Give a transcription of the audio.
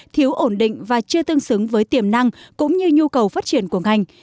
thiếu ổn định và chưa tương xứng với tiềm năng cũng như nhu cầu phát triển của ngành